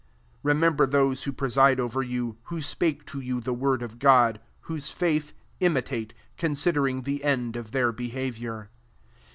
'* 7 Remember those who preside over you, who spake to you the word of God: whose faith imitate, considering the end of their behavio^ir.